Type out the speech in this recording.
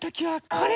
これ。